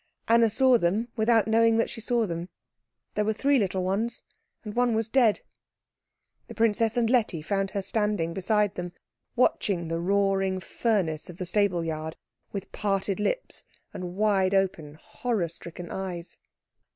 Anna saw them without knowing that she saw them; there were three little ones, and one was dead. The princess and Letty found her standing beside them, watching the roaring furnace of the stableyard with parted lips and wide open, horror stricken eyes.